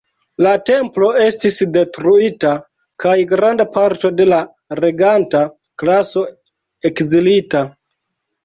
La templo estis detruita kaj granda parto de la reganta klaso ekzilita.